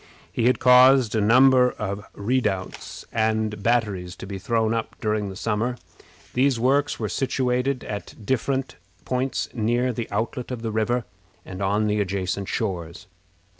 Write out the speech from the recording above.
He had caused a number of redoubts and batteries to be thrown up during the summer. These works were situated at different points near the outlet of the river, and on the adjacent shores.